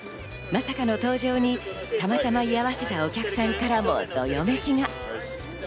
まさかの登場に、たまたま居合わせたお客さんからもどよめきが。